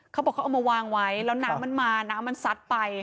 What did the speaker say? เขาบอกเขาเอามาวางไว้แล้วน้ำมันมาน้ำมันซัดไป